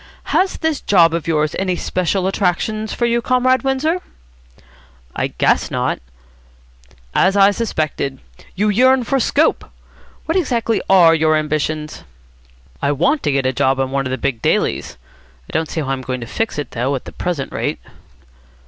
"Has this job of yours any special attractions for you, Comrade Windsor?" "I guess not." "As I suspected. You yearn for scope. What exactly are your ambitions?" "I want to get a job on one of the big dailies. I don't see how I'm going to fix it, though, at the present rate."